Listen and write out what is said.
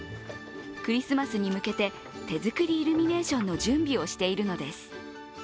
クリスマスに向けて、手作りイルミネーションの準備をしているのです。